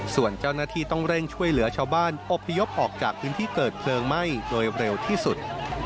ส่วนเจ้าหน้าที่ต้องเร่งช่วยเหลือชาวบ้านอบพยพออกจากพื้นที่เกิดเพลิงไหม้โดยเร็วที่สุด